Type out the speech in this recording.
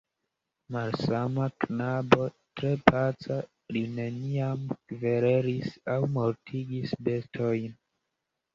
Malsama knabo, tre paca, li neniam kverelis aŭ mortigis bestojn.